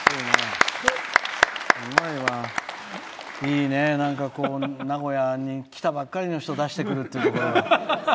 いいね、なんか名古屋に来たばっかりの人を出してくるっていうところが。